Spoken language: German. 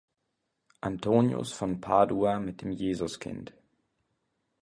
Antonius von Padua mit dem Jesuskind.